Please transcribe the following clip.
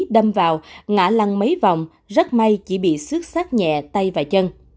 đâm vào ngã lăn mấy vòng rất may chỉ bị xước sát nhẹ tay và chân